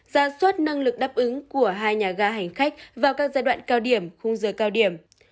ra suất năng lực đáp ứng của hai nhà ga hành khách vào các giai đoạn cao điểm khung giờ cao điểm